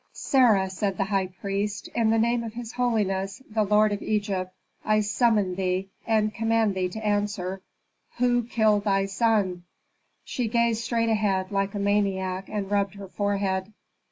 "Sarah," said the high priest, "in the name of his holiness, the lord of Egypt, I summon thee, and command thee to answer, Who killed thy son?" She gazed straight ahead, like a maniac, and rubbed her forehead.